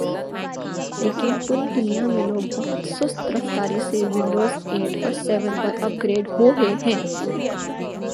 لیکن پوری دنیا میں لوگ بہت سست رفتاری سے ونڈوزایٹ اور سیون پر اپ گریڈ ہوہے ہیں